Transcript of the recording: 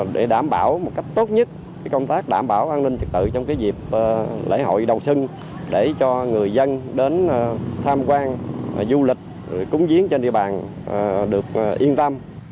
để đảm bảo một cách tốt nhất công tác đảm bảo an ninh trật tự trong dịp lễ hội đầu xuân để cho người dân đến tham quan du lịch cúng diễn trên địa bàn được yên tâm